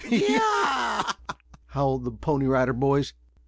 "Y e o w!" howled the Pony Rider Boys.